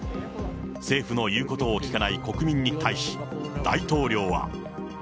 政府の言うことを聞かない国民に対し、大統領は。